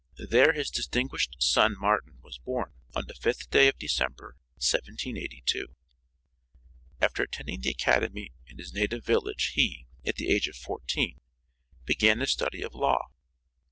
There his distinguished son Martin was born on the 5th day of December, 1782. After attending the academy in his native village he, at the age of fourteen, began the study of law.